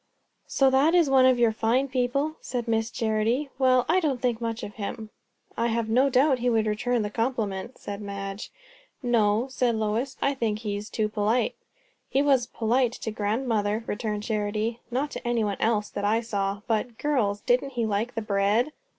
"So that is one of your fine people?" said Miss Charity. "Well, I don't think much of him." "I have no doubt he would return the compliment," said Madge. "No," said Lois; "I think he is too polite." "He was polite to grandmother," returned Charity. "Not to anybody else, that I saw. But, girls, didn't he like the bread!"